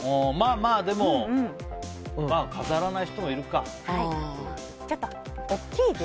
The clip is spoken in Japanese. まあでも、飾らない人もいるか。